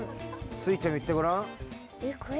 すいちゃんもいってごらん。